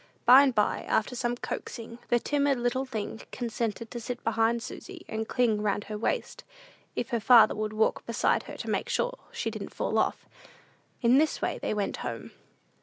'" By and by, after some coaxing, the timid little thing consented to sit behind Susy, and cling round her waist, if her father would walk beside her to make sure she didn't fall off. In this way they went home.